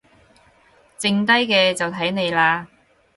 剩低嘅就睇你喇